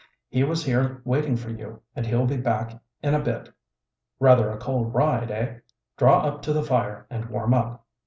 "He was here waiting for you, and he'll be back in a bit. Rather a cold ride, eh? Draw up to the fire and warm up."